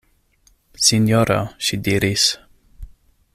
Sinjoro, ŝi diris.